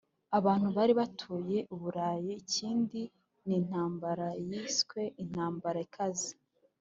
abantu bari batuye uburayi ikindi ni intambara yiswe intambara ikaze